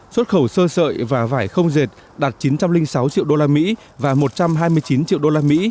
xuất khẩu sơ sợi và vải không dệt đạt chín trăm linh sáu triệu usd và một trăm hai mươi chín triệu usd